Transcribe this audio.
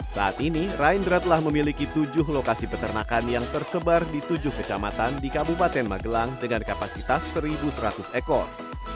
saat ini raindra telah memiliki tujuh lokasi peternakan yang tersebar di tujuh kecamatan di kabupaten magelang dengan kapasitas satu seratus ekor